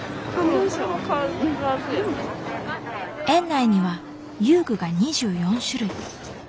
園内には遊具が２４種類。